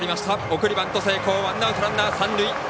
送りバント成功ワンアウト、ランナー、三塁。